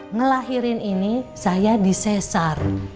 ngelahirin ini saya disesar